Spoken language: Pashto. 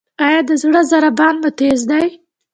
ایا د زړه ضربان مو تېز دی؟